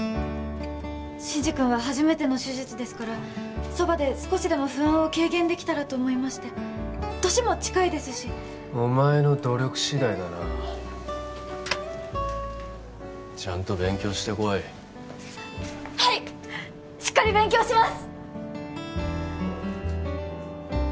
真司君は初めての手術ですからそばで少しでも不安を軽減できたらと思いまして年も近いですしお前の努力次第だなちゃんと勉強してこいはいしっかり勉強します！